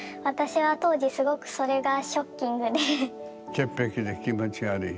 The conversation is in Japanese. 潔癖で気持ち悪い？